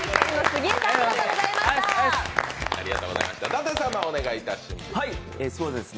舘様、お願いいたします。